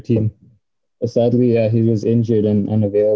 tapi kejadiannya dia terluka dan tidak ada